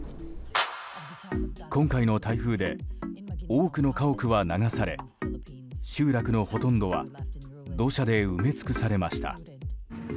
今回の台風で多くの家屋は流され集落のほとんどは土砂で埋め尽くされました。